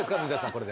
これで。